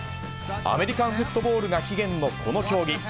アメリカンフットボールが起源のこの競技。